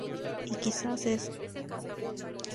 Y quizás restos de alguna edificación.